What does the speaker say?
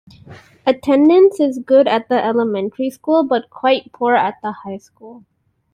Attendance is good at the elementary school but quite poor at the high school.